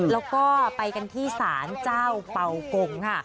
แล้วก็ไปกันที่ศาลเจ้าเป่ากงค่ะ